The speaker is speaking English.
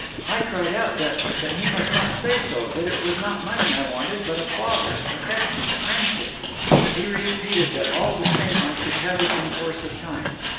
"I cried out at that, that he must not say so; that it was not money I wanted, but a father, affection, friendship. He repeated that all the same I should have it in course of time.